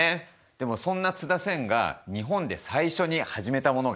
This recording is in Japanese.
でもそんな津田仙が日本で最初に始めたものがある。